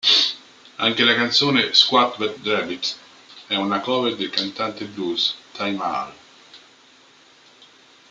Anche la canzone "Squat That Rabbit" è una cover, del cantante blues Taj Mahal.